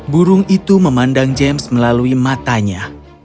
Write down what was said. burung itu memandang james melalui matanya